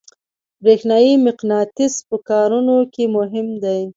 برېښنایي مقناطیس په کارونو کې مهم دی.